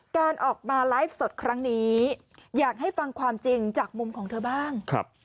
การออกมาไลฟ์สดครั้งนี้อยากให้ฟังความจริงจากมุมของเธอบ้าง